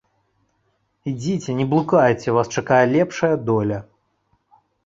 Ідзіце, не блукайце, вас чакае лепшая доля.